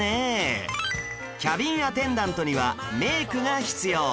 キャビンアテンダントにはメイクが必要